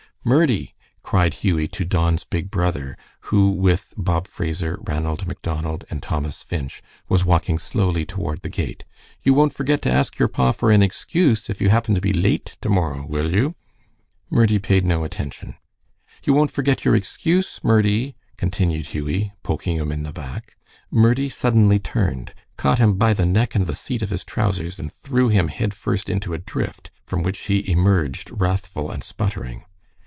"Murdie," cried Hughie to Don's big brother, who with Bob Fraser, Ranald Macdonald, and Thomas Finch was walking slowly toward the gate, "you won't forget to ask your pa for an excuse if you happen to be late to morrow, will you?" Murdie paid no attention. "You won't forget your excuse, Murdie," continued Hughie, poking him in the back. Murdie suddenly turned, caught him by the neck and the seat of his trousers, and threw him head first into a drift, from which he emerged wrathful and sputtering.